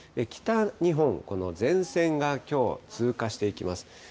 北日本、この前線がきょう通過していきます。